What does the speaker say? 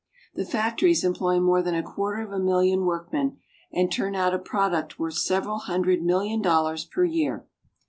The factories employ more than a quarter of a million work men, and turn out a product worth several hundred million dollars per year.